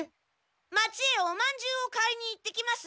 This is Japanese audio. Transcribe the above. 町へおまんじゅうを買いに行ってきます。